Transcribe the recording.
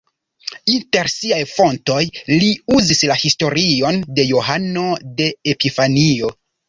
Inter siaj fontoj li uzis la historion de Johano de Epifanio.